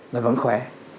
là vẫn khỏe